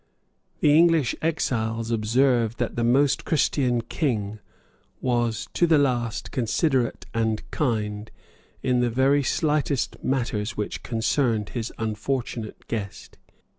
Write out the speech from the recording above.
The English exiles observed that the Most Christian King was to the last considerate and kind in the very slightest matters which concerned his unfortunate guest.